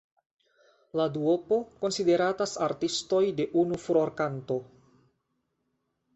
La duopo konsideratas artistoj de unu furorkanto.